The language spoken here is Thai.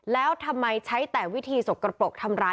พี่ดูโดดน้องเตาแล้วก็เป็นทหาร